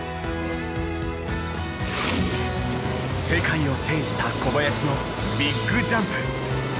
世界を制した小林のビッグジャンプ。